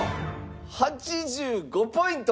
８５ポイント。